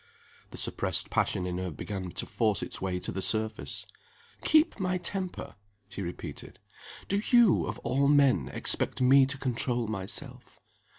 The suppressed passion in her began to force its way to the surface. "Keep my temper?" she repeated. "Do you of all men expect me to control myself?